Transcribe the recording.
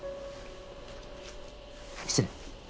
失礼。